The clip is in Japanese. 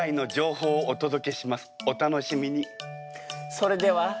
それでは。